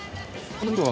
こんにちは。